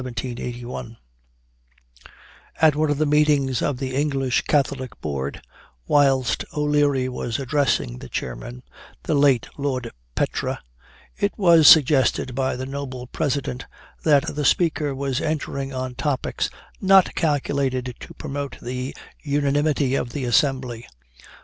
At one of the meetings of the English Catholic Board, whilst O'Leary was addressing the chairman, the late Lord Petre, it was suggested by the noble president that the speaker was entering on topics not calculated to promote the unanimity of the assembly.